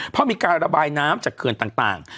เพราะมีการระบายน้ำจากเขื่อนต่าง